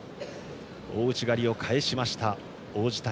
大内刈りを返した王子谷。